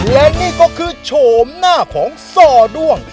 และนี่ก็คือโฉมหน้าของซ่อด้วง